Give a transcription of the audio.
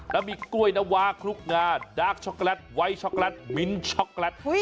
และมีกล้วยนวาคลูกงาด๊อคช็อกแลตไวน์ช็อกแลตมิ้นช็อกแลต